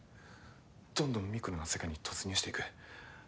どんどんミクロの世界に突入していく。